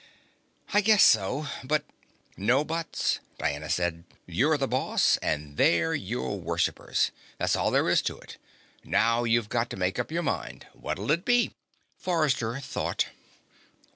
"I guess so. But " "No buts," Diana said. "You're the boss and they're your worshippers. That's all there is to it. Now, you've got to make up your mind. What'll it be?" Forrester thought.